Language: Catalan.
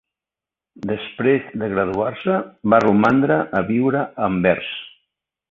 Després de graduar-se, va romandre a viure a Anvers.